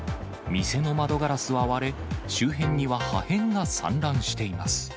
店の窓ガラスは割れ、周辺には破片が散乱しています。